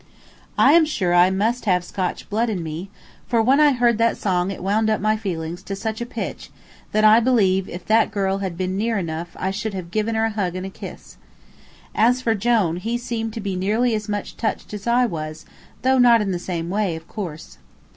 I am sure I must have Scotch blood in me, for when I heard that song it wound up my feelings to such a pitch that I believe if that girl had been near enough I should have given her a hug and a kiss. As for Jone, he seemed to be nearly as much touched as I was, though not in the same way, of course.